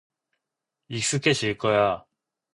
익숙해질 거야.